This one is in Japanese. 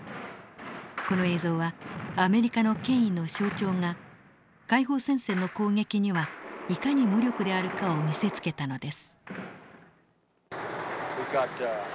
この映像はアメリカの権威の象徴が解放戦線の攻撃にはいかに無力であるかを見せつけたのです。